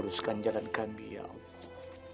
luruskan jalan kami ya allah